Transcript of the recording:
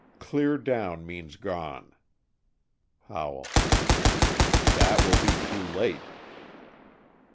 Clear down means gone." Howell: "That will be too late."